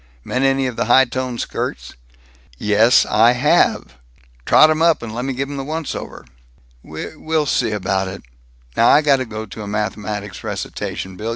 Met any of the high toned skirts?" "Yes I have!" "Trot 'em up and lemme give 'em the once over." "We we'll see about it. Now I got to go to a mathematics recitation, Bill.